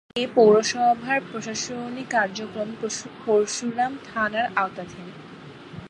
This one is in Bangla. এ পৌরসভার প্রশাসনিক কার্যক্রম পরশুরাম থানার আওতাধীন।